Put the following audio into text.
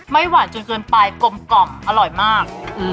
ไม่หวานจนเกินไปกลมอร่อยมาก